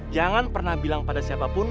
jangan pernah bilang pada siapapun